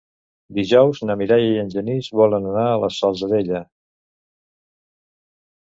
Dijous na Mireia i en Genís volen anar a la Salzadella.